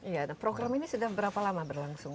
iya program ini sudah berapa lama berlangsung